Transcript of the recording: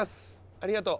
ありがとう。